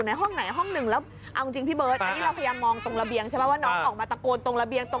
ไอ้แม่ไอ้แม่